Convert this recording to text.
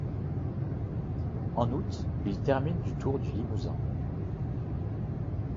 En août, il termine du Tour du Limousin.